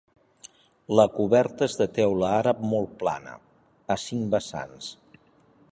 La coberta és de teula àrab molt plana, a cinc vessants.